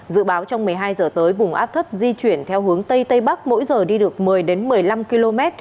dự báo trong một mươi hai giờ tới vùng áp thấp di chuyển theo hướng tây tây bắc mỗi giờ đi được một mươi một mươi năm km